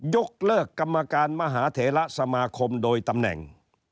ยกเลิกกรรมการมหาเถระสมาคมโดยตำแหน่ง